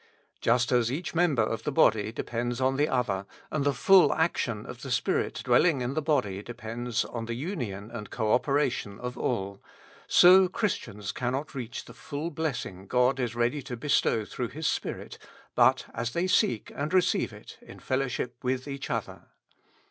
Just as each member of the body depends on the other, and the full action of the spirit dwelling in the body depends on the union and co operation of all, so Christians cannot reach the full blessing God is ready to bestow through His Spirit, but as they seek and receive it in fellowship with each other.